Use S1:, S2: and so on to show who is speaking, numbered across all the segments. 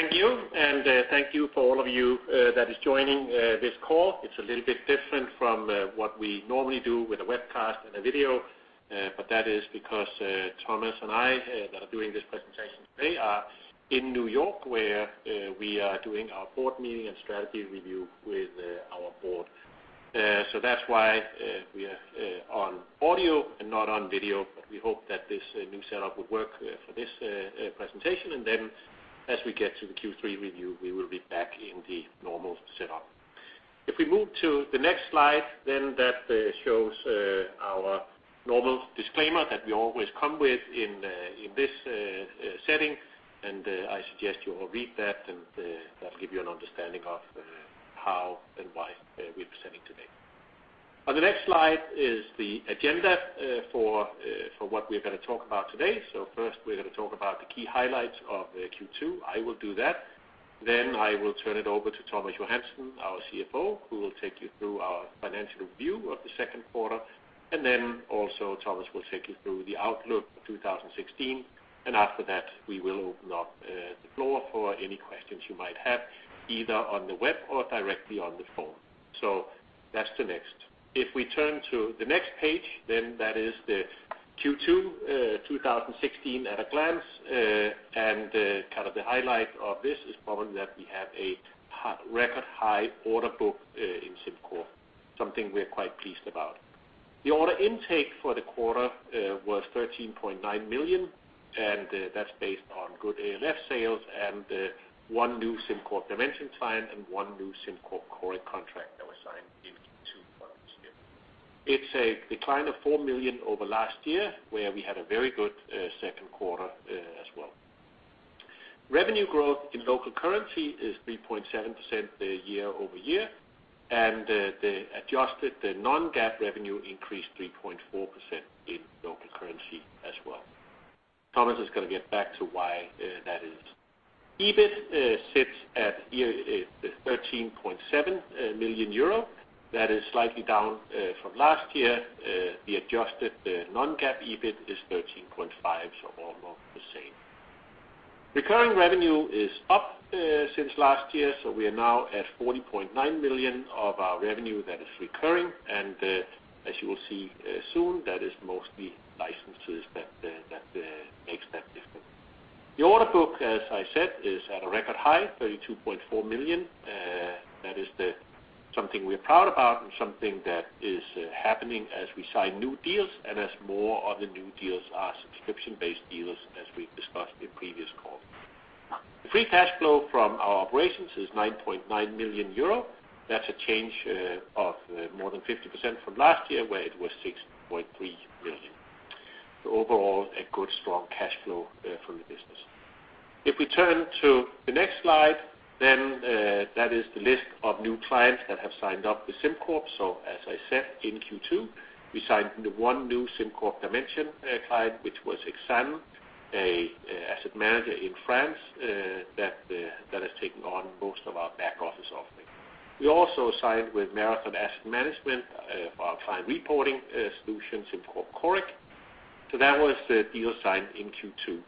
S1: Thank you, and thank you for all of you that are joining this call. It's a little bit different from what we normally do with a webcast and a video. That is because Thomas and I, that are doing this presentation today, are in N.Y., where we are doing our board meeting and strategy review with our board. That's why we are on audio and not on video. We hope that this new setup would work for this presentation, and as we get to the Q3 review, we will be back in the normal setup. If we move to the next slide, that shows our normal disclaimer that we always come with in this setting, and I suggest you all read that, and that'll give you an understanding of how and why we're presenting today. On the next slide is the agenda for what we're going to talk about today. First, we're going to talk about the key highlights of Q2. I will do that. I will turn it over to Thomas Johansen, our CFO, who will take you through our financial review of the second quarter, and also Thomas will take you through the outlook for 2016. After that, we will open up the floor for any questions you might have, either on the web or directly on the phone. That's the next. If we turn to the next page, that is the Q2 2016 at a glance. The highlight of this is probably that we have a record high order book in SimCorp, something we're quite pleased about. The order intake for the quarter was 13.9 million, and that's based on good ALF sales and one new SimCorp Dimension client and one new SimCorp Coric contract that was signed in Q2 this year. It's a decline of 4 million over last year, where we had a very good second quarter as well. Revenue growth in local currency is 3.7% year-over-year, and the adjusted non-GAAP revenue increased 3.4% in local currency as well. Thomas is going to get back to why that is. EBIT sits at 13.7 million euro. That is slightly down from last year. The adjusted non-GAAP EBIT is 13.5, almost the same. Recurring revenue is up since last year, we are now at 40.9 million of our revenue that is recurring, and as you will see soon, that is mostly licenses that makes that difference. The order book, as I said, is at a record high, 32.4 million. That is something we're proud about and something that is happening as we sign new deals and as more of the new deals are subscription-based deals, as we've discussed in previous calls. Free cash flow from our operations is 9.9 million euro. That's a change of more than 50% from last year, where it was 6.3 million. Overall, a good strong cash flow for the business. If we turn to the next slide, that is the list of new clients that have signed up with SimCorp. As I said, in Q2, we signed the one new SimCorp Dimension client, which was Exane, an asset manager in France, that has taken on most of our back-office offering. We also signed with Marathon Asset Management for our client reporting solution, SimCorp Coric. That was the deal signed in Q2.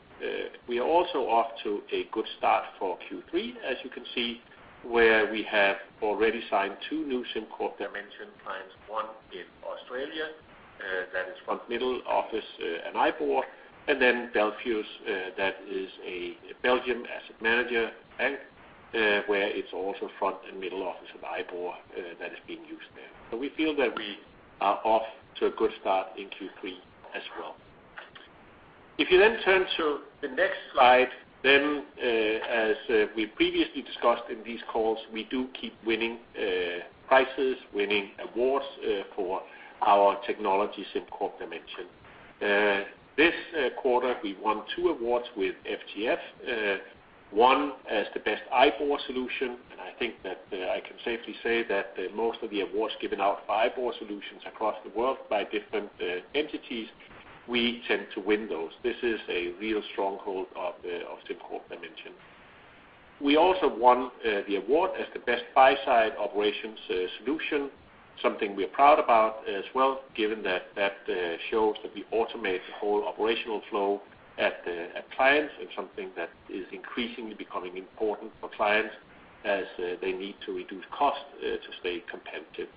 S1: We are also off to a good start for Q3, as you can see, where we have already signed two new SimCorp Dimension clients, one in Australia, that is front, middle office, and IBOR. Belfius, that is a Belgian asset manager bank, where it's also front and middle office of IBOR that is being used there. We feel that we are off to a good start in Q3 as well. If you then turn to the next slide, as we previously discussed in these calls, we do keep winning prizes, winning awards for our technology, SimCorp Dimension. This quarter, we won two awards with FTF. One as the best IBOR solution. I think that I can safely say that most of the awards given out for IBOR solutions across the world by different entities, we tend to win those. This is a real stronghold of SimCorp Dimension. We also won the award as the best buy-side operations solution. Something we're proud about as well, given that that shows that we automate the whole operational flow at clients and something that is increasingly becoming important for clients as they need to reduce cost to stay competitive.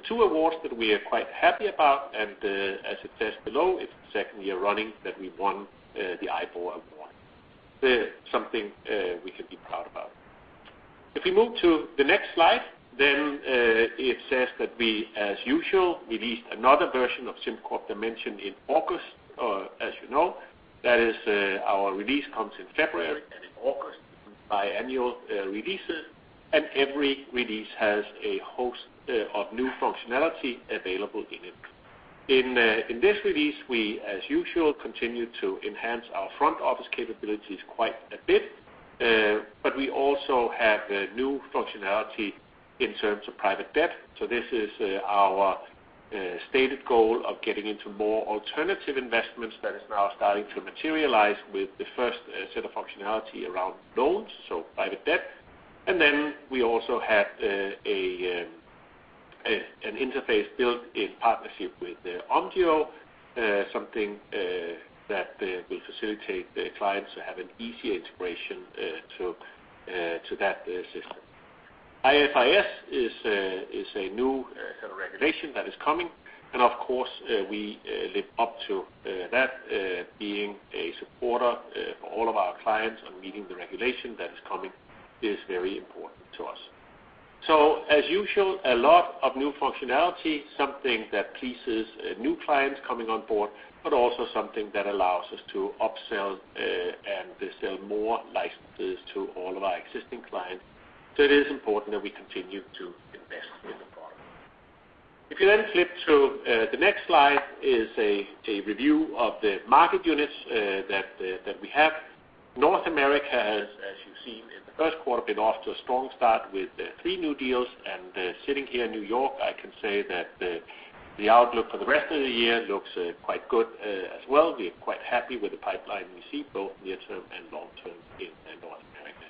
S1: The two awards that we are quite happy about. As it says below, it's the second year running that we won the IBOR award. Something we can be proud about. If we move to the next slide, it says that we, as usual, released another version of SimCorp Dimension in August. As you know, our release comes in February and in August, biannual releases. Every release has a host of new functionality available in it. In this release, we, as usual, continued to enhance our front-office capabilities quite a bit. We also have new functionality in terms of private debt. This is our stated goal of getting into more alternative investments that is now starting to materialize with the first set of functionality around loans, private debt. We also have an interface built in partnership with Omgeo, something that will facilitate the clients to have an easier integration to that system. IFRS is a new set of regulation that is coming. Of course, we live up to that, being a supporter for all of our clients on meeting the regulation that is coming is very important to us. As usual, a lot of new functionality, something that pleases new clients coming on board, but also something that allows us to upsell and sell more licenses to all of our existing clients. It is important that we continue to invest in the product. If you then flip to the next slide, a review of the market units that we have. North America has, as you've seen in the first quarter, been off to a strong start with three new deals. Sitting here in New York, I can say that the outlook for the rest of the year looks quite good as well. We're quite happy with the pipeline we see both near term and long term in North America.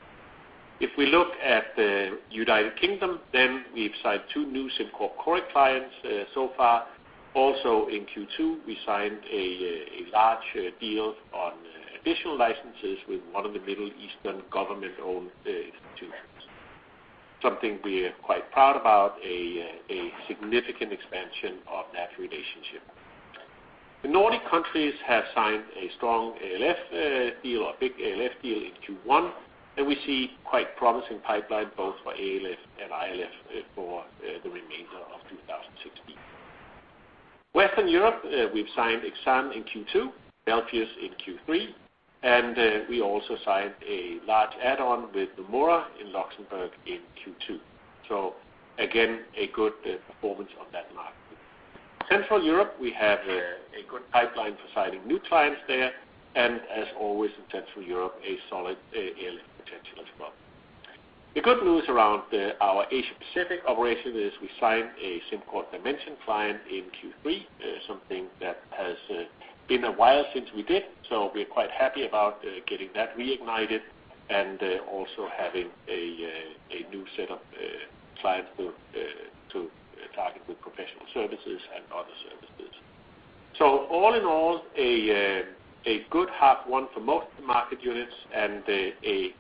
S1: If we look at the United Kingdom, we've signed two new SimCorp Coric clients so far. In Q2, we signed a large deal on additional licenses with one of the Middle Eastern government-owned institutions, something we are quite proud about, a significant expansion of that relationship. The Nordic countries have signed a strong ALF deal or a big ALF deal in Q1, and we see quite promising pipeline both for ALF and ILF for the remainder of 2016. In Western Europe, we have signed Exane in Q2, Belfius in Q3, and we also signed a large add-on with Nomura in Luxembourg in Q2. Again, a good performance on that market. In Central Europe, we have a good pipeline for signing new clients there, and as always in Central Europe, a solid ALM potential as well. The good news around our Asia Pacific operation is we signed a SimCorp Dimension client in Q3, something that has been a while since we did. We are quite happy about getting that reignited and also having a new set of clients to target with professional services and other services. All in all, a good half one for most of the market units and a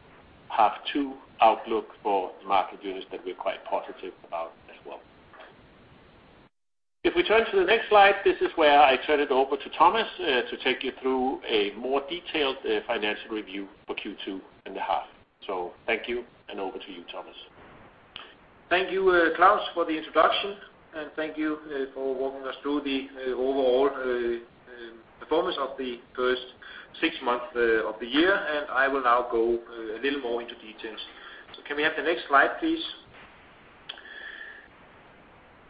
S1: half two outlook for the market units that we are quite positive about as well. If we turn to the next slide, this is where I turn it over to Thomas to take you through a more detailed financial review for Q2 and a half. Thank you, and over to you, Thomas.
S2: Thank you, Klaus, for the introduction, and thank you for walking us through the overall performance of the first six months of the year. I will now go a little more into details. Can we have the next slide, please?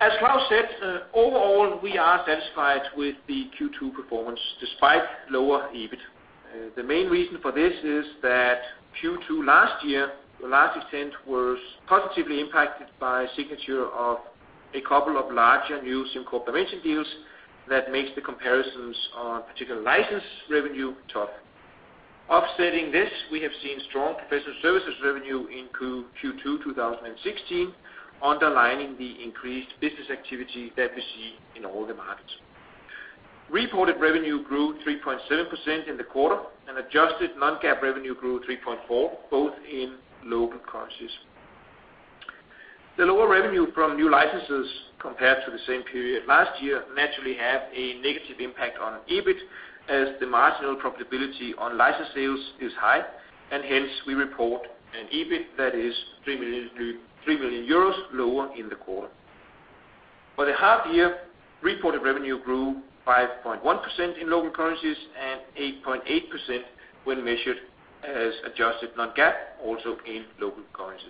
S2: As Klaus said, overall, we are satisfied with the Q2 performance despite lower EBIT. The main reason for this is that Q2 last year to a large extent was positively impacted by a signature of a couple of larger new SimCorp Innovation deals that makes the comparisons on particular license revenue tough. Offsetting this, we have seen strong professional services revenue in Q2 2016, underlining the increased business activity that we see in all the markets. Reported revenue grew 3.7% in the quarter, and adjusted non-GAAP revenue grew 3.4%, both in local currencies. The lower revenue from new licenses compared to the same period last year naturally have a negative impact on EBIT, as the marginal profitability on license sales is high, and hence we report an EBIT that is 3 million euros lower in the quarter. For the half year, reported revenue grew 5.1% in local currencies and 8.8% when measured as adjusted non-GAAP, also in local currencies.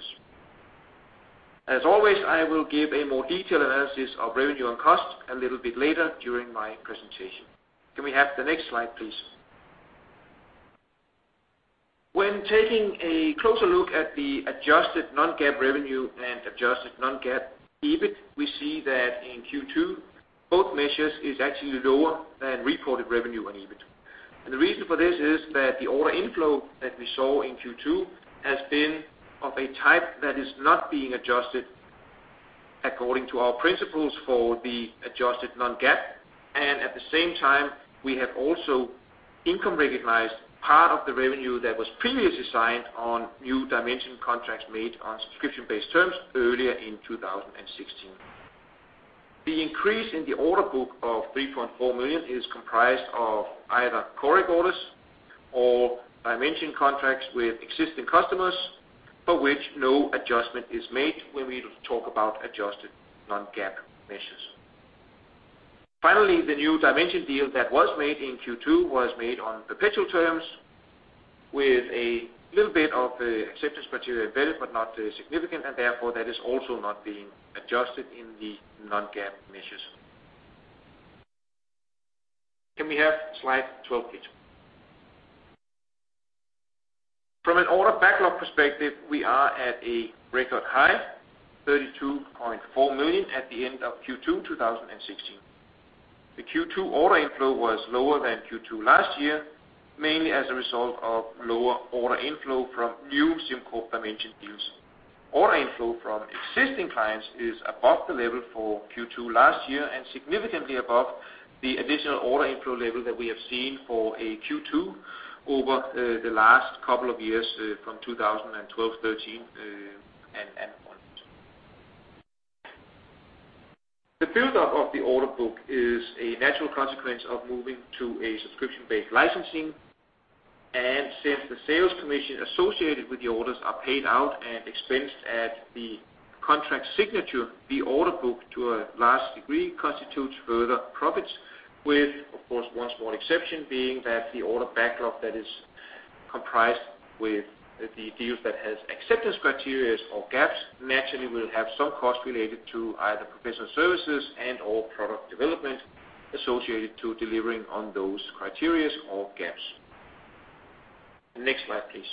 S2: As always, I will give a more detailed analysis of revenue and cost a little bit later during my presentation. Can we have the next slide, please? When taking a closer look at the adjusted non-GAAP revenue and adjusted non-GAAP EBIT, we see that in Q2, both measures is actually lower than reported revenue on EBIT. The reason for this is that the order inflow that we saw in Q2 has been of a type that is not being adjusted according to our principles for the adjusted non-GAAP. At the same time, we have also income recognized part of the revenue that was previously signed on new Dimension contracts made on subscription-based terms earlier in 2016. The increase in the order book of 3.4 million is comprised of either Coric orders or Dimension contracts with existing customers, for which no adjustment is made when we talk about adjusted non-GAAP measures. Finally, the new Dimension deal that was made in Q2 was made on perpetual terms with a little bit of acceptance criteria available, but not significant, and therefore, that is also not being adjusted in the non-GAAP measures. Can we have slide 12, please? From an order backlog perspective, we are at a record high 32.4 million at the end of Q2 2016. The Q2 order inflow was lower than Q2 last year, mainly as a result of lower order inflow from new SimCorp Dimension deals. Order inflow from existing clients is above the level for Q2 last year and significantly above the additional order inflow level that we have seen for a Q2 over the last couple of years from 2012, 2013, and onwards. The buildup of the order book is a natural consequence of moving to a subscription-based licensing. Since the sales commission associated with the orders are paid out and expensed at the contract signature, the order book, to a large degree, constitutes further profits with, of course, one small exception being that the order backlog that is comprised with the deals that has acceptance criteria or gaps, naturally will have some cost related to either professional services and/or product development associated to delivering on those criteria or gaps. Next slide, please.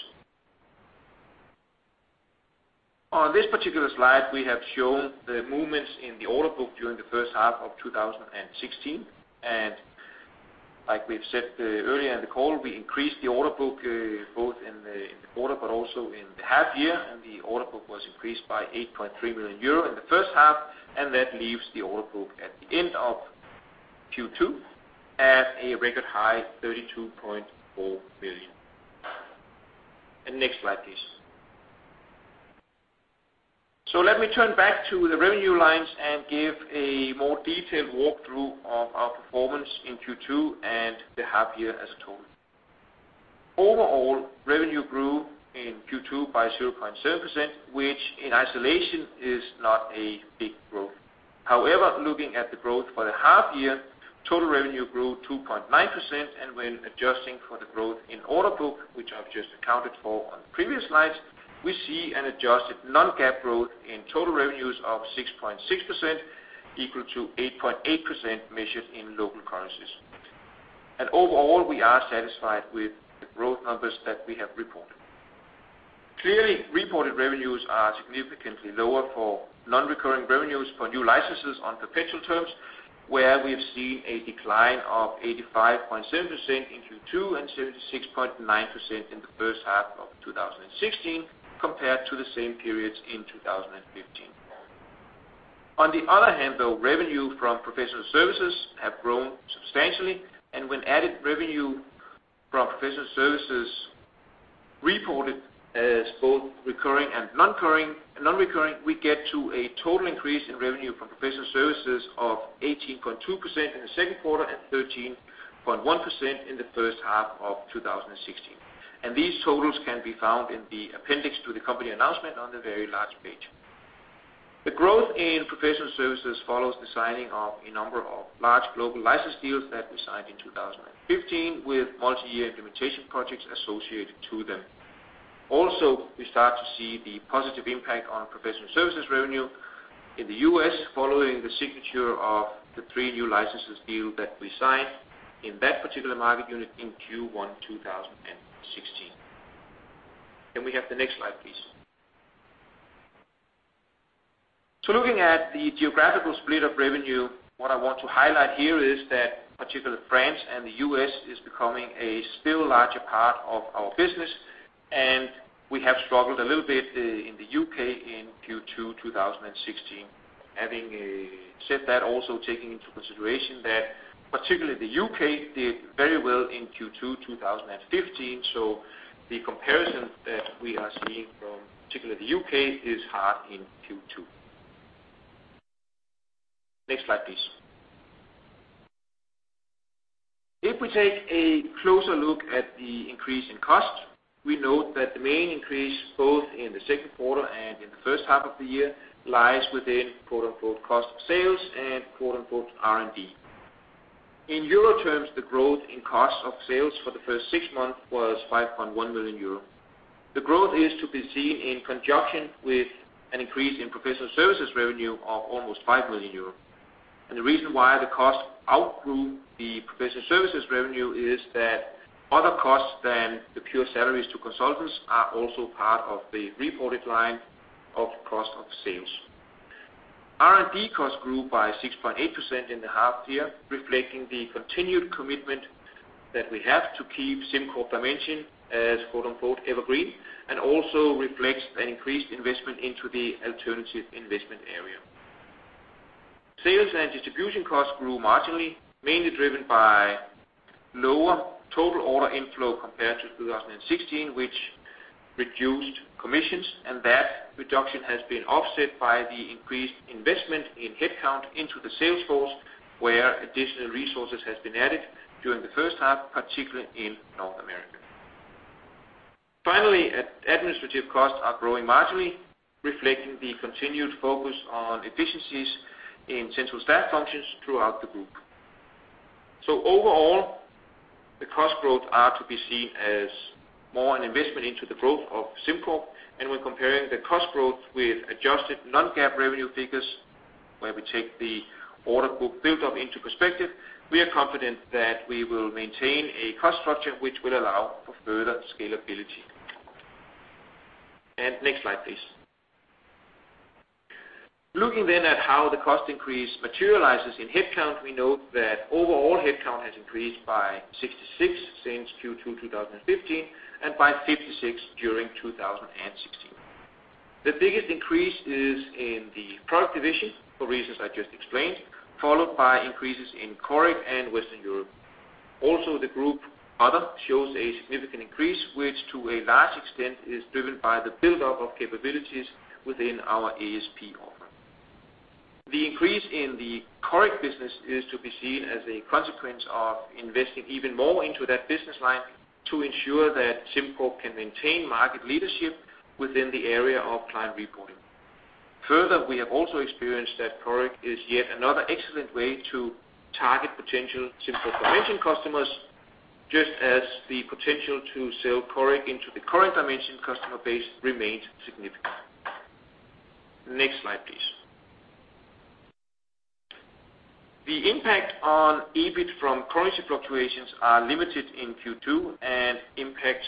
S2: On this particular slide, we have shown the movements in the order book during the first half of 2016. Like we've said earlier in the call, we increased the order book both in the quarter but also in the half year. The order book was increased by 8.3 million euro in the first half, and that leaves the order book at the end of Q2 at a record high 32.4 million. Next slide, please. Let me turn back to the revenue lines and give a more detailed walkthrough of our performance in Q2 and the half year as a total. Overall, revenue grew in Q2 by 0.7%, which in isolation is not a big growth. However, looking at the growth for the half year, total revenue grew 2.9%. When adjusting for the growth in order book, which I've just accounted for on the previous slides, we see an adjusted non-GAAP growth in total revenues of 6.6%, equal to 8.8% measured in local currencies. Overall, we are satisfied with the growth numbers that we have reported. Clearly, reported revenues are significantly lower for non-recurring revenues for new licenses on perpetual terms, where we have seen a decline of 85.7% in Q2 and 76.9% in the first half of 2016 compared to the same periods in 2015. On the other hand, though, revenue from professional services have grown substantially. When added revenue from professional services reported as both recurring and non-recurring, we get to a total increase in revenue from professional services of 18.2% in the second quarter and 13.1% in the first half of 2016. These totals can be found in the appendix to the company announcement on the very last page. The growth in professional services follows the signing of a number of large global license deals that we signed in 2015 with multi-year implementation projects associated to them. We start to see the positive impact on professional services revenue in the U.S. following the signature of the three new licenses deal that we signed in that particular market unit in Q1 2016. Can we have the next slide, please? Looking at the geographical split of revenue, what I want to highlight here is that particularly France and the U.S. is becoming a still larger part of our business, and we have struggled a little bit in the U.K. in Q2 2016. Having said that, also taking into consideration that particularly the U.K. did very well in Q2 2015, so the comparison that we are seeing from particularly the U.K. is hard in Q2. Next slide, please. If we take a closer look at the increase in cost, we note that the main increase both in the second quarter and in the first half of the year lies within "cost of sales" and "R&D". In EUR terms, the growth in cost of sales for the first six months was 5.1 million euro. The growth is to be seen in conjunction with an increase in professional services revenue of almost 5 million euros. The reason why the cost outgrew the professional services revenue is that other costs than the pure salaries to consultants are also part of the reported line of cost of sales. R&D costs grew by 6.8% in the half-year, reflecting the continued commitment that we have to keep SimCorp Dimension as "evergreen," and also reflects an increased investment into the alternative investment area. Sales and distribution costs grew marginally, mainly driven by lower total order inflow compared to 2016, which reduced commissions, and that reduction has been offset by the increased investment in headcount into the sales force, where additional resources has been added during the first half, particularly in North America. Finally, administrative costs are growing marginally, reflecting the continued focus on efficiencies in central staff functions throughout the group. Overall, the cost growth are to be seen as more an investment into the growth of SimCorp. When comparing the cost growth with adjusted non-GAAP revenue figures, where we take the order book buildup into perspective, we are confident that we will maintain a cost structure which will allow for further scalability. Next slide, please. Looking at how the cost increase materializes in headcount, we note that overall headcount has increased by 66 since Q2 2015 and by 56 during 2016. The biggest increase is in the product division, for reasons I just explained, followed by increases in Coric and Western Europe. The group other shows a significant increase, which to a large extent is driven by the buildup of capabilities within our ASP offer. The increase in the Coric business is to be seen as a consequence of investing even more into that business line to ensure that SimCorp can maintain market leadership within the area of client reporting. We have also experienced that Coric is yet another excellent way to target potential SimCorp Dimension customers, just as the potential to sell Coric into the current Dimension customer base remains significant. Next slide, please. The impact on EBIT from currency fluctuations are limited in Q2 and impacts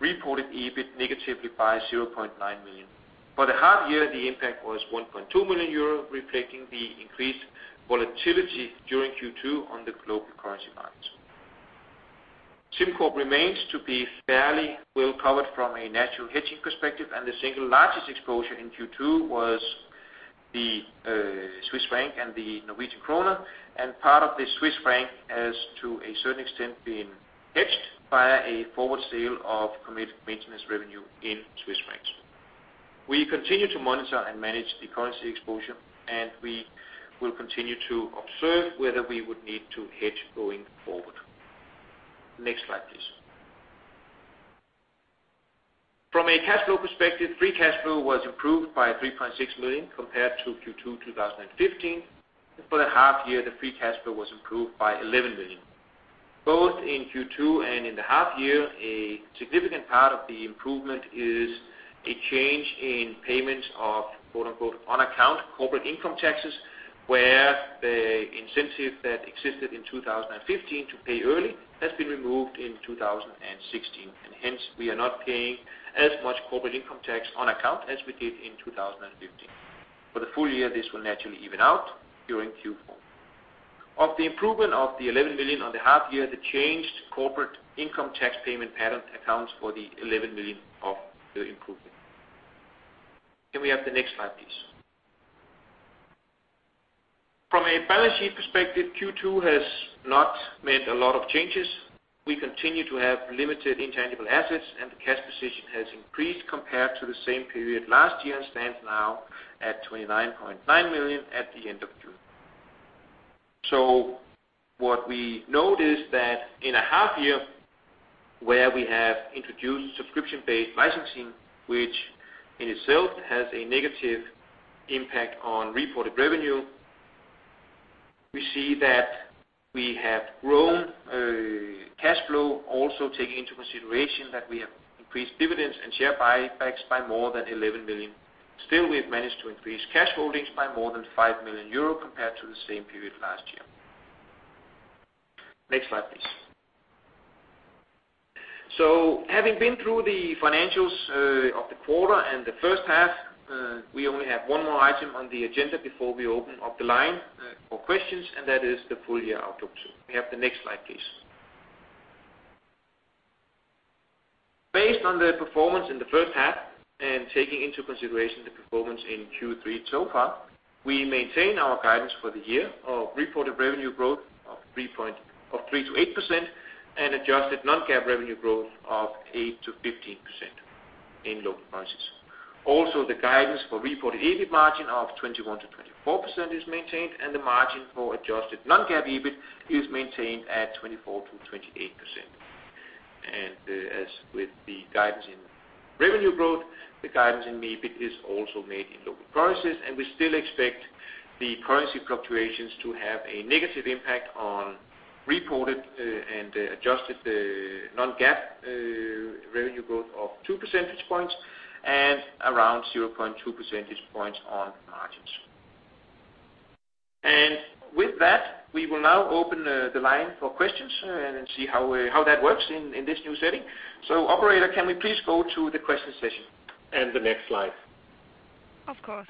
S2: reported EBIT negatively by 0.9 million. For the half year, the impact was 1.2 million euro, reflecting the increased volatility during Q2 on the global currency markets. SimCorp remains to be fairly well-covered from a natural hedging perspective, and the single largest exposure in Q2 was the Swiss franc and the Norwegian krone, and part of the Swiss franc has to a certain extent been hedged by a forward sale of committed maintenance revenue in Swiss francs. We continue to monitor and manage the currency exposure, and we will continue to observe whether we would need to hedge going forward. Next slide, please. From a cash flow perspective, free cash flow was improved by 3.6 million compared to Q2 2015. For the half year, the free cash flow was improved by 11 million. Both in Q2 and in the half year, a significant part of the improvement is a change in payments of "on account corporate income taxes" where the incentive that existed in 2015 to pay early has been removed in 2016, and hence we are not paying as much corporate income tax on account as we did in 2015. For the full year, this will naturally even out during Q4. Of the improvement of the 11 million on the half year, the changed corporate income tax payment pattern accounts for the 11 million of the improvement. Can we have the next slide, please? From a balance sheet perspective, Q2 has not made a lot of changes. We continue to have limited intangible assets, and the cash position has increased compared to the same period last year and stands now at 29.9 million at the end of June. What we note is that in a half year where we have introduced subscription-based licensing, which in itself has a negative impact on reported revenue, we see that we have grown cash flow, also taking into consideration that we have increased dividends and share buybacks by more than 11 million. We've managed to increase cash holdings by more than five million EUR compared to the same period last year. Next slide, please. Having been through the financials of the quarter and the first half, we only have one more item on the agenda before we open up the line for questions, and that is the full year outlook. Can we have the next slide, please? Based on the performance in the first half and taking into consideration the performance in Q3 so far, we maintain our guidance for the year of reported revenue growth of 3%-8% and adjusted non-GAAP revenue growth of 8%-15% in local prices. Also, the guidance for reported EBIT margin of 21%-24% is maintained, and the margin for adjusted non-GAAP EBIT is maintained at 24%-28%. As with the guidance in revenue growth, the guidance in EBIT is also made in local prices, and we still expect the currency fluctuations to have a negative impact on reported and adjusted non-GAAP revenue growth of 2 percentage points and around 0.2 percentage points on margins. With that, we will now open the line for questions and see how that works in this new setting. Operator, can we please go to the question session? The next slide.
S3: Of course.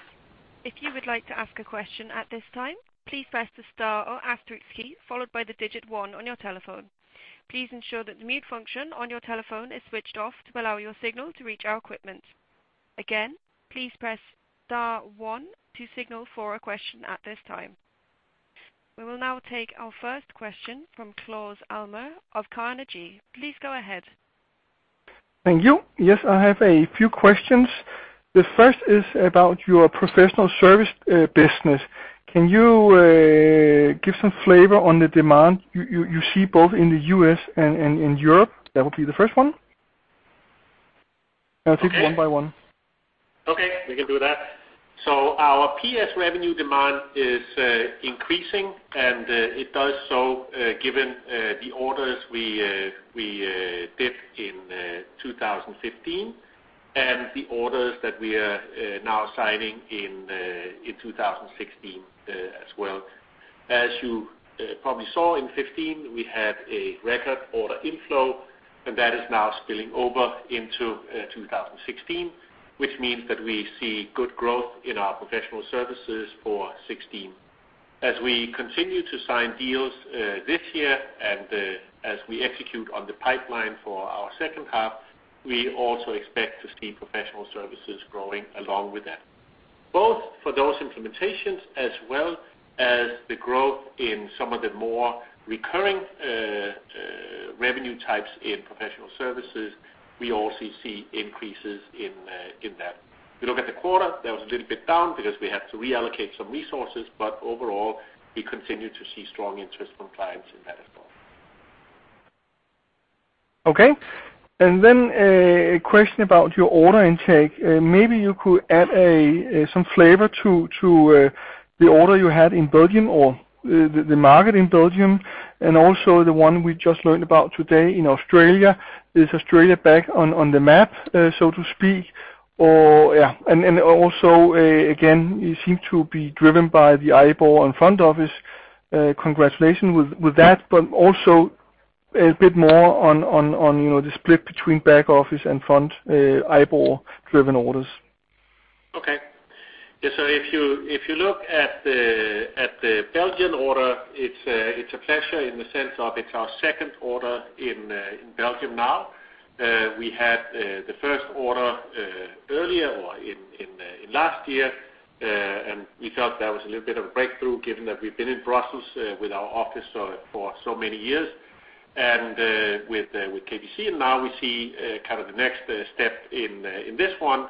S3: If you would like to ask a question at this time, please press the star or asterisk key followed by the digit 1 on your telephone. Please ensure that the mute function on your telephone is switched off to allow your signal to reach our equipment. Again, please press star 1 to signal for a question at this time. We will now take our first question from Claus Almer of Carnegie. Please go ahead.
S4: Thank you. Yes, I have a few questions. The first is about your professional service business. Can you give some flavor on the demand you see both in the U.S. and in Europe? That would be the first one. I'll take them one by one.
S2: We can do that. Our PS revenue demand is increasing, and it does so given the orders we did in 2015 and the orders that we are now signing in 2016 as well.
S1: As you probably saw in 2015, we had a record order inflow, and that is now spilling over into 2016, which means that we see good growth in our professional services for 2016. We continue to sign deals this year and as we execute on the pipeline for our second half, we also expect to see professional services growing along with that. Both for those implementations as well as the growth in some of the more recurring revenue types in professional services, we also see increases in that. If you look at the quarter, that was a little bit down because we had to reallocate some resources, overall, we continue to see strong interest from clients in that as well.
S4: A question about your order intake. Maybe you could add some flavor to the order you had in Belgium or the market in Belgium and also the one we just learned about today in Australia. Is Australia back on the map, so to speak? Again, you seem to be driven by the IBOR and front office. Congratulations with that, also a bit more on the split between back office and front IBOR-driven orders.
S1: If you look at the Belgian order, it's a pleasure in the sense of it's our second order in Belgium now. We had the first order earlier or in last year, and we felt that was a little bit of a breakthrough given that we've been in Brussels with our office for so many years and with KBC. We see kind of the next step in this one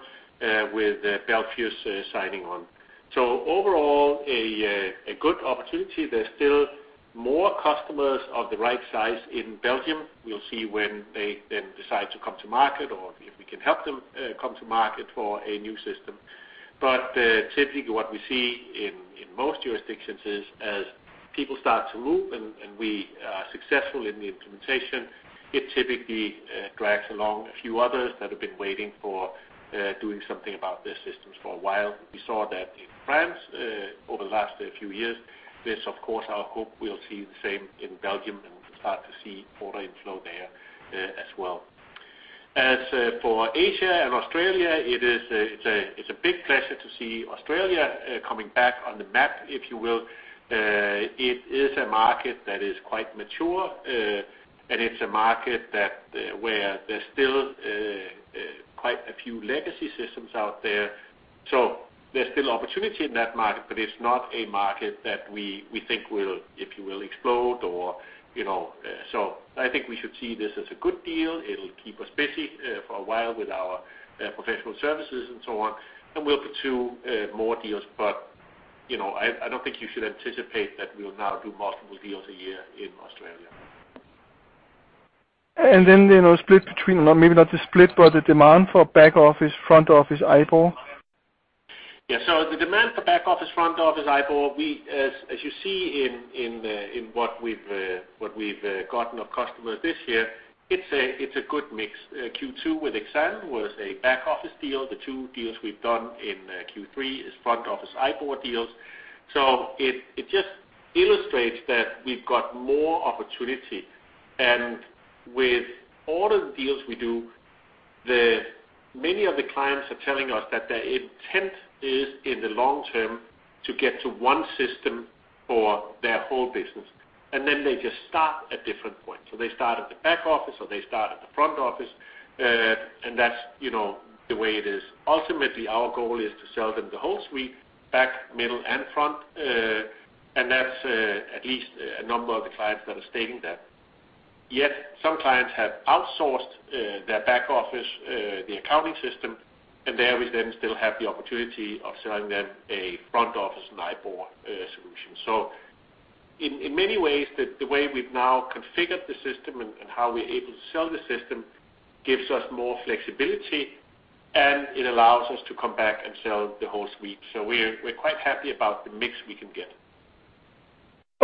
S1: with Belfius signing on. Overall, a good opportunity. There's still more customers of the right size in Belgium. We'll see when they then decide to come to market or if we can help them come to market for a new system. Typically what we see in most jurisdictions is as people start to move and we are successful in the implementation, it typically drags along a few others that have been waiting for doing something about their systems for a while. We saw that in France over the last few years. This, of course, I hope we'll see the same in Belgium, and we start to see order inflow there as well. As for Asia and Australia, it's a big pleasure to see Australia coming back on the map, if you will. It is a market that is quite mature, and it's a market where there's still quite a few legacy systems out there. There's still opportunity in that market, but it's not a market that we think will, if you will, explode. I think we should see this as a good deal. It'll keep us busy for a while with our professional services and so on. We'll pursue more deals. I don't think you should anticipate that we'll now do multiple deals a year in Australia.
S4: Then, split between or maybe not the split, but the demand for back office, front office IBOR.
S1: Yeah. The demand for back office, front office IBOR, as you see in what we've gotten of customers this year, it's a good mix. Q2 with Exane was a back-office deal. The two deals we've done in Q3 is front office IBOR deals. It just illustrates that we've got more opportunity. With all the deals we do, many of the clients are telling us that their intent is in the long term to get to one system for their whole business. They just start at different points. They start at the back office or they start at the front office, and that's the way it is. Ultimately, our goal is to sell them the whole suite, back, middle, and front, and that's at least a number of the clients that are stating that. Some clients have outsourced their back office, the accounting system, there we still have the opportunity of selling them a front-office and IBOR solution. In many ways, the way we've now configured the system and how we're able to sell the system gives us more flexibility, it allows us to come back and sell the whole suite. We're quite happy about the mix we can get.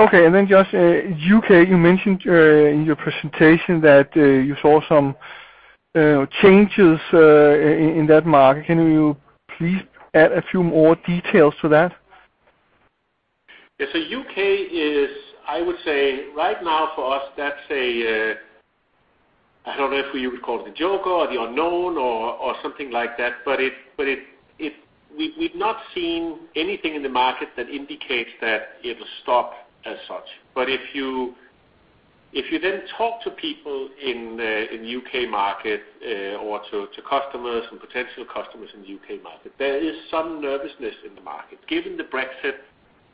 S4: Okay. Just U.K., you mentioned in your presentation that you saw some changes in that market. Can you please add a few more details to that?
S1: Yes. U.K. is, I would say right now for us, that's I don't know if you would call it the joker or the unknown or something like that, we've not seen anything in the market that indicates that it'll stop as such. If you then talk to people in U.K. market or to customers and potential customers in the U.K. market, there is some nervousness in the market given the Brexit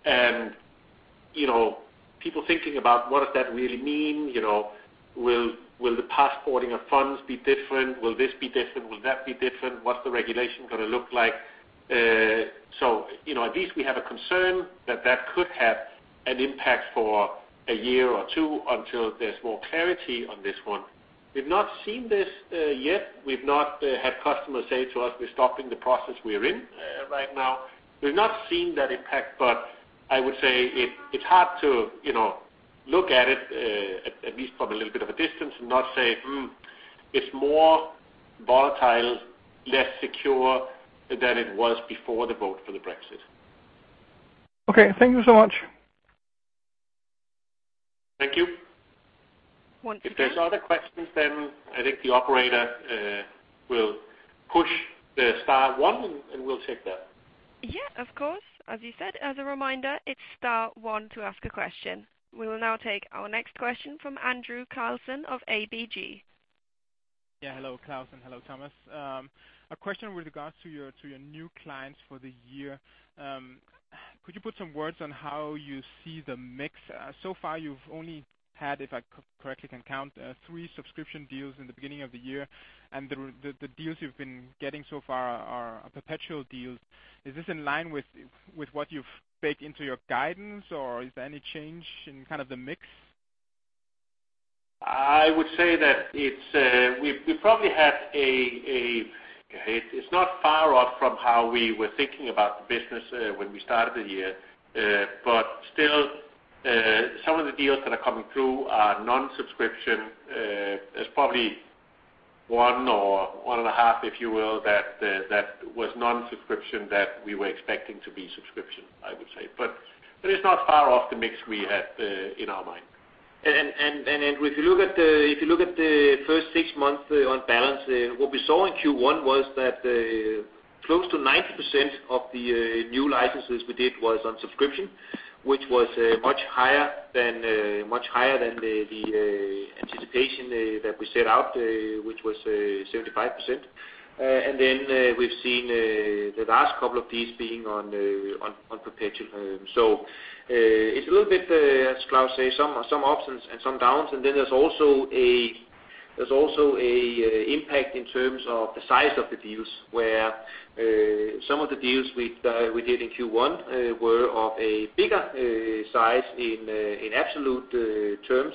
S1: and people thinking about what does that really mean. Will the passporting of funds be different? Will this be different? Will that be different? What's the regulation going to look like? At least we have a concern that that could have an impact for a year or two until there's more clarity on this one. We've not seen this yet. We've not had customers say to us, "We're stopping the process we're in right now." We've not seen that impact, I would say it's hard to look at it, at least from a little bit of a distance, and not say, "Hmm." It's more volatile, less secure than it was before the vote for the Brexit.
S4: Okay. Thank you so much.
S1: Thank you.
S3: Once again.
S1: If there's other questions, I think the operator will push the star one and we'll take that.
S3: Yeah, of course. As you said, as a reminder, it's star one to ask a question. We will now take our next question from Andrew Carlsen of ABG.
S5: Yeah. Hello, Claus, and hello, Thomas. A question with regards to your new clients for the year. Could you put some words on how you see the mix? So far you've only had, if I correctly can count, three subscription deals in the beginning of the year. The deals you've been getting so far are perpetual deals. Is this in line with what you've baked into your guidance, or is there any change in kind of the mix?
S1: It's not far off from how we were thinking about the business when we started the year. Still, some of the deals that are coming through are non-subscription. There's probably one or one and a half, if you will, that was non-subscription that we were expecting to be subscription, I would say. It's not far off the mix we had in our mind.
S2: If you look at the first six months on balance, what we saw in Q1 was that close to 90% of the new licenses we did was on subscription, which was much higher than the anticipation that we set out, which was 75%. We've seen the last couple of these being on perpetual. It's a little bit, as Claus say, some ups and some downs. There's also a impact in terms of the size of the deals, where some of the deals we did in Q1 were of a bigger size in absolute terms.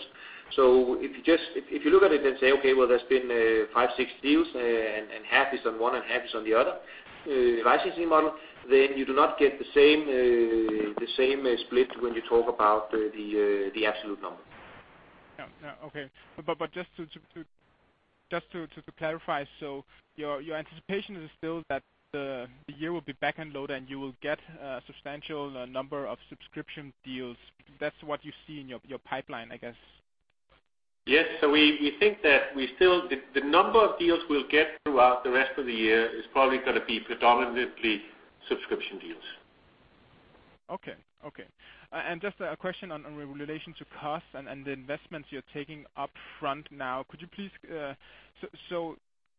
S2: If you look at it and say, okay, well, there's been five, six deals and half is on one and half is on the other licensing model, then you do not get the same split when you talk about the absolute number.
S5: Yeah. Okay. Just to clarify, your anticipation is still that the year will be back end loaded and you will get a substantial number of subscription deals. That's what you see in your pipeline, I guess.
S1: Yes. We think that the number of deals we'll get throughout the rest of the year is probably going to be predominantly subscription deals.
S5: Okay. Just a question on relation to costs and the investments you're taking upfront now.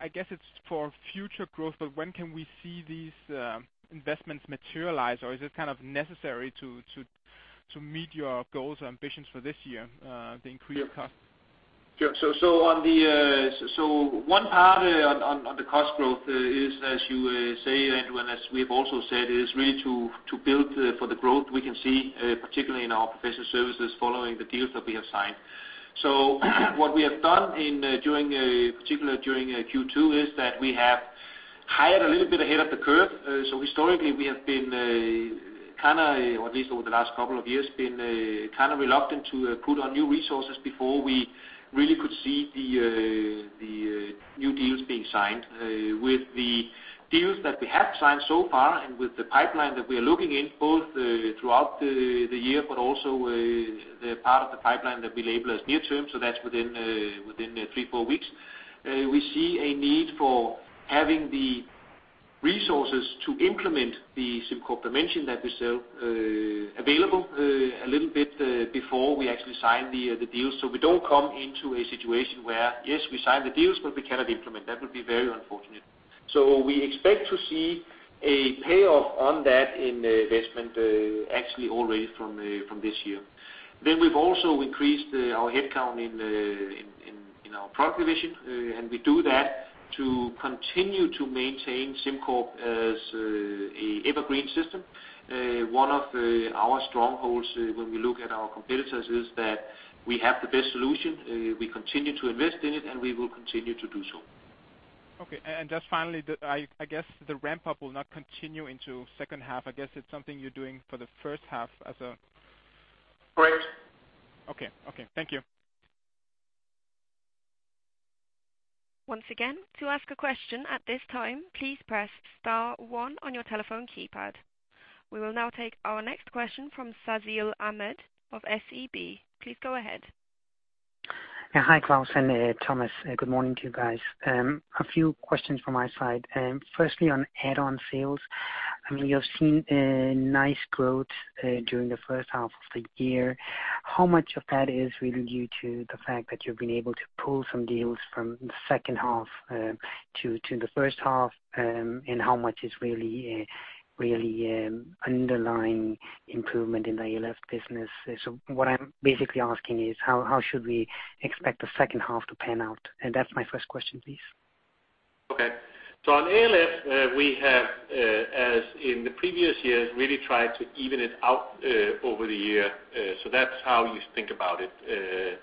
S5: I guess it's for future growth, when can we see these investments materialize, or is it kind of necessary to meet your goals and ambitions for this year, the increased cost?
S2: Sure. One part on the cost growth is, as you say, Andrew, as we have also said, is really to build for the growth we can see, particularly in our professional services following the deals that we have signed. What we have done particularly during Q2 is that we have hired a little bit ahead of the curve. Historically we have been kind of, at least over the last couple of years, been kind of reluctant to put on new resources before we really could see the new deals being signed. With the deals that we have signed so far and with the pipeline that we are looking in both throughout the year but also the part of the pipeline that we label as near term, so that's within three, four weeks, we see a need for having the resources to implement the SimCorp Dimension that we sell available a little bit before we actually sign the deal. We don't come into a situation where, yes, we sign the deals, but we cannot implement. That would be very unfortunate. We expect to see a payoff on that investment actually already from this year. We've also increased our headcount in our product division, and we do that to continue to maintain SimCorp as an evergreen system. One of our strongholds when we look at our competitors is that we have the best solution. We continue to invest in it. We will continue to do so.
S5: Okay. Just finally, I guess the ramp up will not continue into second half. I guess it's something you're doing for the first half.
S2: Correct.
S5: Okay. Thank you.
S3: Once again, to ask a question at this time, please press star one on your telephone keypad. We will now take our next question from Sazeel Ahmed of SEB. Please go ahead.
S6: Yeah. Hi, Claus and Thomas. Good morning to you guys. A few questions from my side. Firstly, on add-on sales, you have seen a nice growth during the first half of the year. How much of that is really due to the fact that you've been able to pull some deals from the second half to the first half? How much is really underlying improvement in the ALF business? What I'm basically asking is, how should we expect the second half to pan out? That's my first question, please.
S1: Okay. On ALF, we have, as in the previous years, really tried to even it out over the year. That's how you think about it.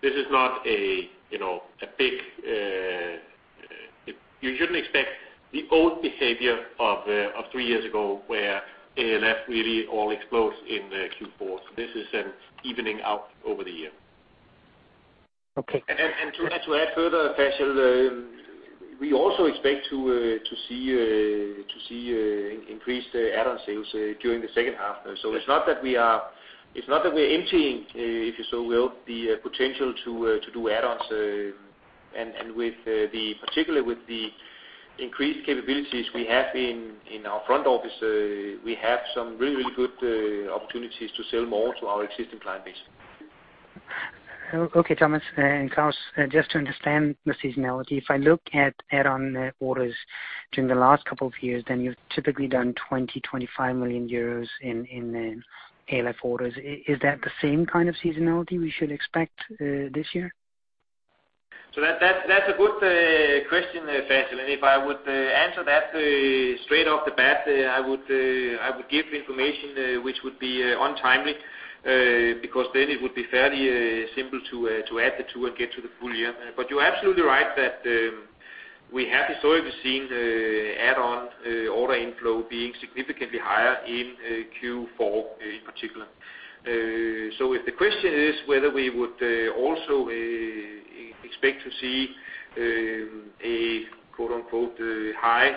S1: This is not a big
S2: You shouldn't expect the old behavior of three years ago where ALF really all explodes in Q4. This is an evening out over the year.
S6: Okay.
S2: To add further, Sazeel, we also expect to see increased add-on sales during the second half. It's not that we're emptying, if you so will, the potential to do add-ons, and particularly with the increased capabilities we have in our front office, we have some really good opportunities to sell more to our existing client base.
S6: Okay, Thomas and Claus. Just to understand the seasonality, if I look at add-on orders during the last couple of years, you've typically done 20 million-25 million euros in ALF orders. Is that the same kind of seasonality we should expect this year?
S2: That's a good question, Sazeel, and if I would answer that straight off the bat, I would give information which would be untimely, because then it would be fairly simple to add the two and get to the full year. You're absolutely right that we have historically seen add-on order inflow being significantly higher in Q4 in particular. If the question is whether we would also expect to see a quote-unquote, high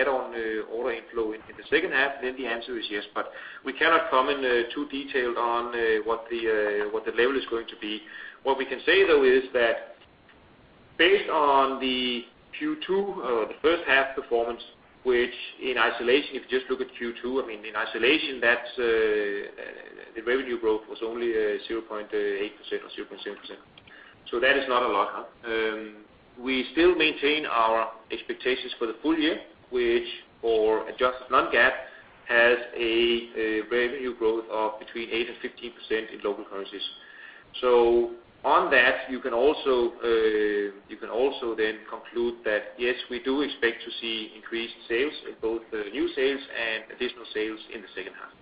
S2: add-on order inflow in the second half, then the answer is yes, but we cannot comment too detailed on what the level is going to be. What we can say, though, is that based on the Q2 or the first half performance, which in isolation, if you just look at Q2, I mean in isolation, the revenue growth was only 0.8% or 0.7%. That is not a lot. We still maintain our expectations for the full year, which for adjusted non-GAAP has a revenue growth of between 8%-15% in local currencies. On that, you can also then conclude that, yes, we do expect to see increased sales in both the new sales and additional sales in the second half.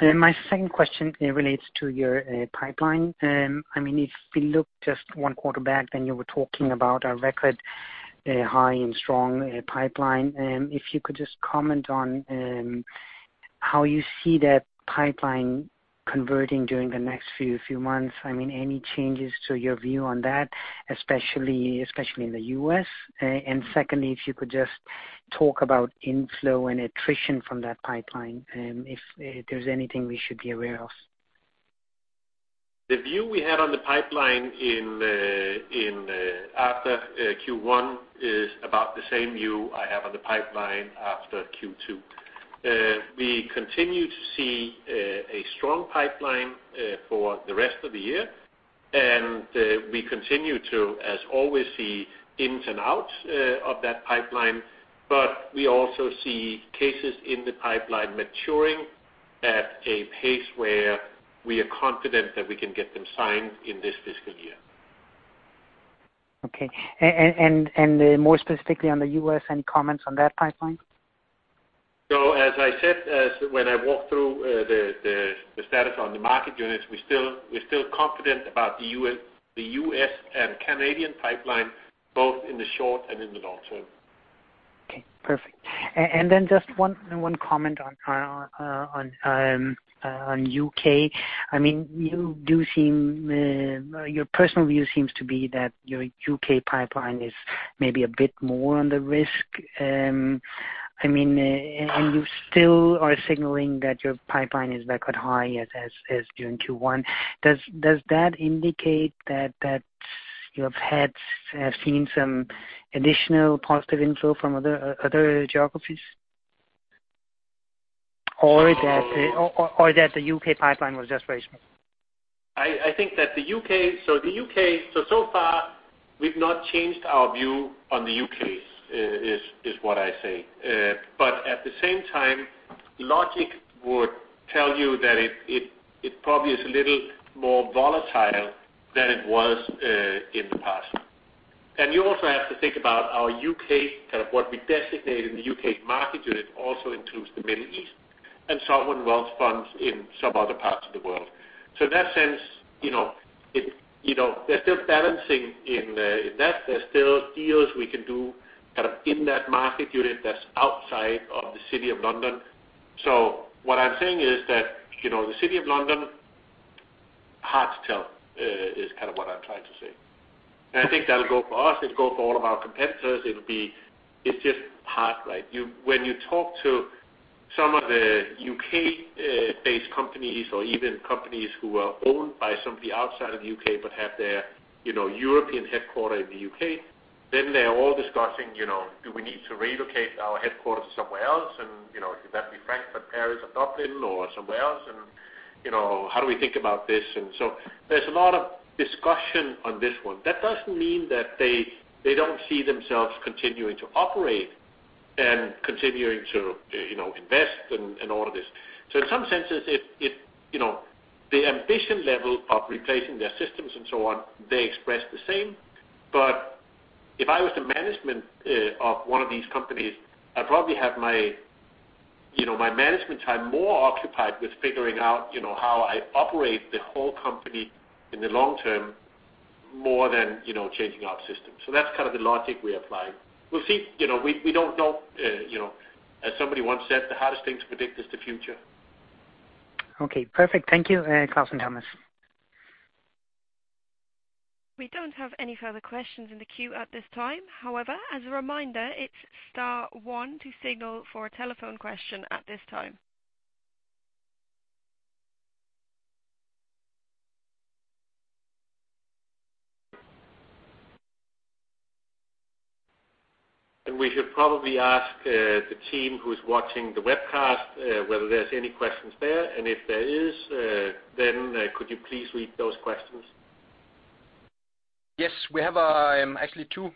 S6: My second question relates to your pipeline. I mean, if we look just one quarter back then you were talking about a record high and strong pipeline. If you could just comment on how you see that pipeline converting during the next few months. I mean, any changes to your view on that, especially in the U.S. Secondly, if you could just talk about inflow and attrition from that pipeline, if there's anything we should be aware of.
S2: The view we had on the pipeline after Q1 is about the same view I have on the pipeline after Q2. We continue to see a strong pipeline for the rest of the year, and we continue to, as always, see ins and outs of that pipeline, but we also see cases in the pipeline maturing at a pace where we are confident that we can get them signed in this fiscal year.
S6: Okay. More specifically on the U.S., any comments on that pipeline?
S1: As I said, when I walked through the status on the market units, we're still confident about the U.S. and Canadian pipeline, both in the short and in the long term.
S6: Okay. Perfect. Then just one comment on U.K. I mean, your personal view seems to be that your U.K. pipeline is maybe a bit more on the risk. I mean, you still are signaling that your pipeline is record high as during Q1. Does that indicate that you have seen some additional positive inflow from other geographies? Or that the U.K. pipeline was just very small?
S2: I think that the U.K., so far we've not changed our view on the U.K., is what I say. At the same time, logic would tell you that it probably is a little more volatile than it was in the past. You also have to think about our U.K., kind of what we designate in the U.K. market unit also includes the Middle East and sovereign wealth funds in some other parts of the world. In that sense, there's still balancing in that. There's still deals we can do kind of in that market unit that's outside of the City of London. What I'm saying is that, the City of London, hard to tell is kind of what I'm trying to say. I think that'll go for us, it'll go for all of our competitors. It's just hard, right? When you talk to some of the U.K.-based companies or even companies who are owned by somebody outside of the U.K. but have their European headquarter in the U.K., then they're all discussing, do we need to relocate our headquarters somewhere else? Could that be Frankfurt, Paris or Dublin or somewhere else? How do we think about this? There's a lot of discussion on this one. That doesn't mean that they don't see themselves continuing to operate and continuing to invest and all of this. In some senses the ambition level of replacing their systems and so on, they express the same. If I was the management of one of these companies, I'd probably have my
S1: My management time more occupied with figuring out how I operate the whole company in the long term more than changing our system. That's kind of the logic we apply. We'll see. As somebody once said, the hardest thing to predict is the future.
S6: Okay, perfect. Thank you, Claus and Thomas.
S3: We don't have any further questions in the queue at this time. However, as a reminder, it's star one to signal for a telephone question at this time.
S1: We should probably ask the team who's watching the webcast whether there's any questions there, and if there is, then could you please read those questions?
S7: Yes. We have actually two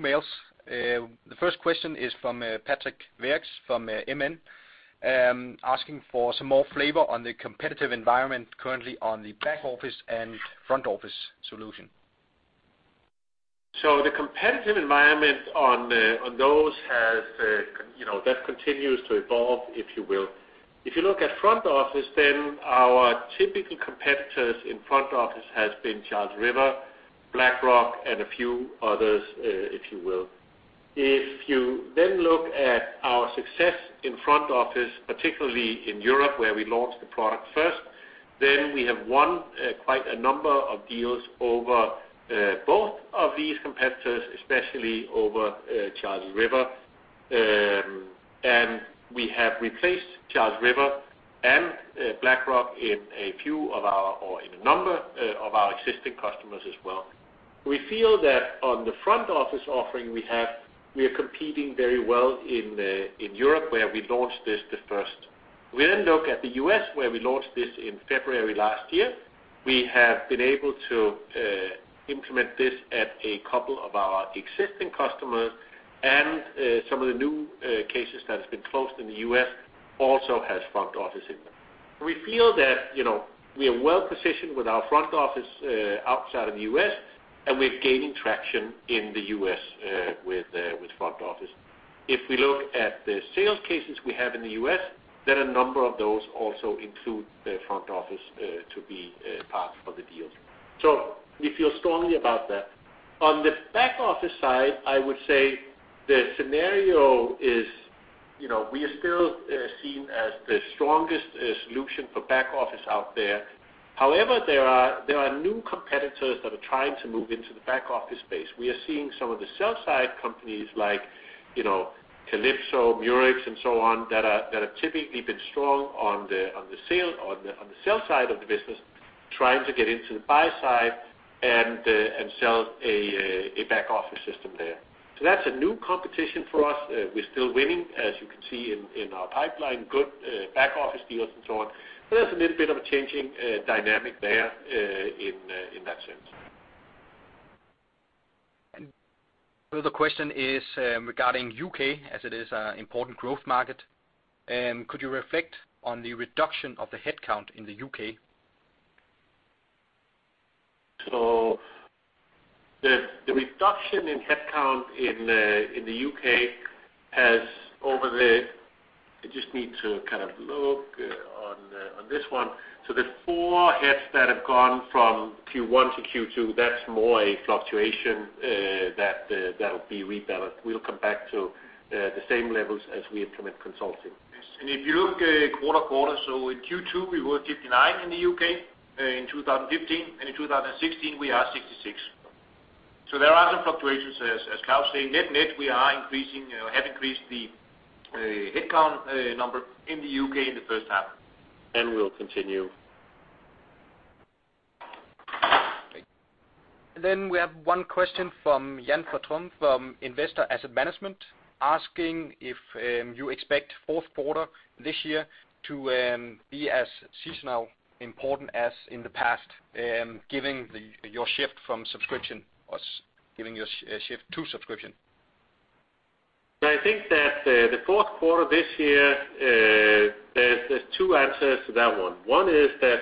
S7: mails. The first question is from Patrick Verks from MN, asking for some more flavor on the competitive environment currently on the back office and front office solution.
S1: The competitive environment on those that continues to evolve, if you will. If you look at front office, our typical competitors in front office has been Charles River, BlackRock and a few others if you will. If you look at our success in front office, particularly in Europe where we launched the product first, we have won quite a number of deals over both of these competitors, especially over Charles River. We have replaced Charles River and BlackRock in a number of our existing customers as well. We feel that on the front office offering we have, we are competing very well in Europe where we launched this the first. We look at the U.S. where we launched this in February last year. We have been able to implement this at a couple of our existing customers and some of the new cases that have been closed in the U.S. also has front office in them. We feel that we are well-positioned with our front office outside of the U.S., and we're gaining traction in the U.S. with front office. If we look at the sales cases we have in the U.S., a number of those also include the front office to be part of the deals. We feel strongly about that. On the back office side, I would say the scenario is we are still seen as the strongest solution for back office out there. However, there are new competitors that are trying to move into the back-office space. We are seeing some of the sell-side companies like Calypso, Murex and so on, that have typically been strong on the sales side of the business, trying to get into the buy side and sell a back-office system there. That's a new competition for us. We're still winning, as you can see in our pipeline, good back-office deals and so on. There's a little bit of a changing dynamic there in that sense.
S7: The other question is regarding U.K., as it is an important growth market. Could you reflect on the reduction of the headcount in the U.K.?
S1: The reduction in headcount in the U.K. I just need to kind of look on this one. The four heads that have gone from Q1 to Q2, that's more a fluctuation that'll be rebalanced. We'll come back to the same levels as we implement consulting.
S2: Yes. If you look quarter-quarter, in Q2, we were 59 in the U.K. in 2015, and in 2016, we are 66. There are some fluctuations, as Klaus said. Net-net, we have increased the headcount number in the U.K. in the first half.
S1: We'll continue.
S7: Great. We have one question from Jan Patron from Invesco Asset Management asking if you expect fourth quarter this year to be as seasonally important as in the past, given your shift to subscription.
S1: I think that the fourth quarter this year there's two answers to that one. One is that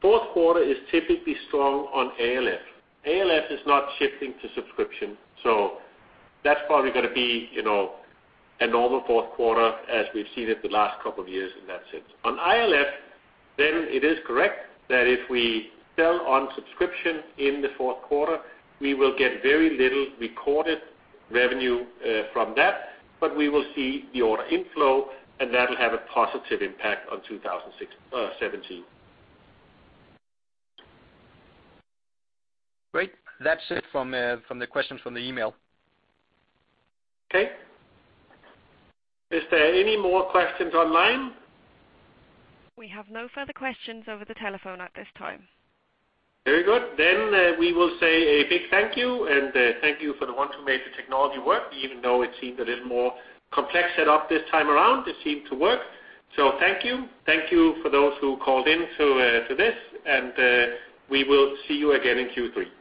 S1: fourth quarter is typically strong on ALF. ALF is not shifting to subscription. That's probably going to be a normal fourth quarter as we've seen it the last couple of years in that sense. On ILF, it is correct that if we sell on subscription in the fourth quarter, we will get very little recorded revenue from that, but we will see the order inflow, and that'll have a positive impact on 2017.
S7: Great. That's it from the questions from the email.
S1: Okay. Is there any more questions online?
S3: We have no further questions over the telephone at this time.
S1: Very good. We will say a big thank you, and thank you for the one who made the technology work, even though it seemed a little more complex set up this time around, it seemed to work. Thank you. Thank you for those who called in to this, and we will see you again in Q3.